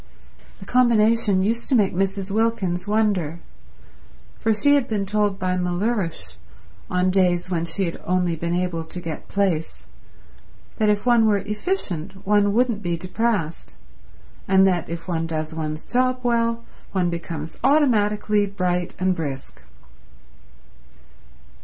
The combination used to make Mrs. Wilkins wonder, for she had been told by Mellersh, on days when she had only been able to get plaice, that if one were efficient one wouldn't be depressed, and that if one does one's job well one becomes automatically bright and brisk.